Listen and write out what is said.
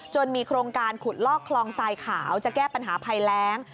มีโครงการขุดลอกคลองทรายขาวจะแก้ปัญหาภัยแรง